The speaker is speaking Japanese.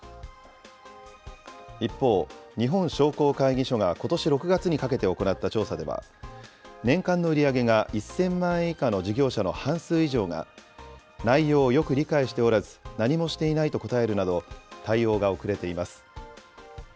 一方、日本商工会議所がことし６月にかけて行った調査では、年間の売り上げが１０００万円以下の事業者の半数以上が、内容をよく理解しておらず、何もしていないと答えるなど、対応が遅れています。